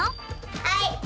はい！